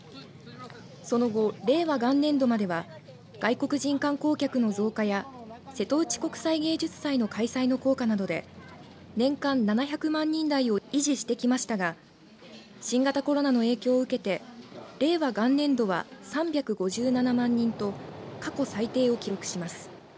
その後、令和元年度までは外国人観光客の増加や瀬戸内国際芸術祭の開催の効果などで年間７００万人台を維持してきましたが新型コロナの影響を受けて令和元年度は３５７万人と過去最低を記録します。